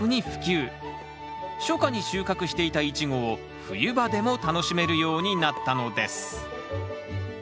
初夏に収穫していたイチゴを冬場でも楽しめるようになったのです。